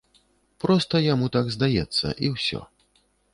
Проста яму так здаецца, і ўсё.